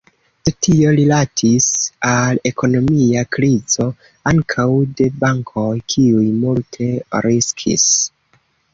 Do tio rilatis al ekonomia krizo ankaŭ de bankoj, kiuj multe riskis.